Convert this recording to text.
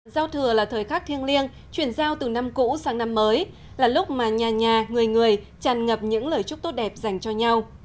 giao thừa là thời khắc thiêng liêng chuyển giao từ năm cũ sang năm mới là lúc mà nhà nhà người người tràn ngập những lời chúc tốt đẹp dành cho nhau